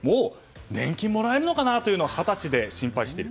年金もらえるのかなというのを二十歳で心配している。